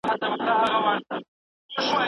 پخواني سفیران د بهرنیو اقتصادي مرستو پوره حق نه لري.